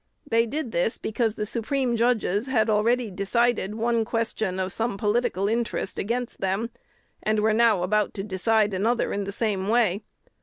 They did this because the Supreme judges had already decided one question of some political interest against them, and were now about to decide another in the same way.